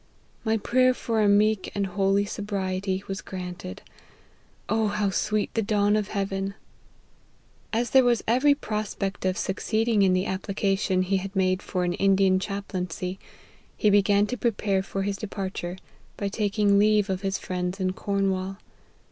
My prayer for a meek and holy sobriety was granted. O how sweet the dawn of heaven !"' As there was every prospect of succeeding in the application he had made for an Indian chaplaincy, he began to prepare for his departure, by taking leave of his friends in Cornwall.